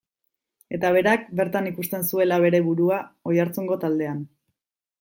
Eta berak, bertan ikusten zuela bere burua, Oiartzungo taldean.